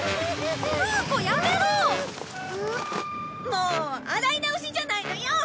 もう洗い直しじゃないのよ！